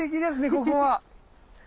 ここは。